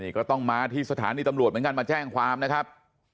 ก็ต้องมาที่สถานีตำรวจเหมือนกันมาแจ้งความนะครับ